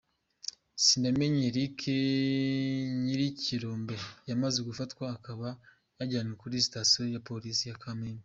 Sinamenye Eric nyir’ikirombe yamaze gufatwa akaba yajyanywe kuri sitasiyo ya polisi ya Kamembe.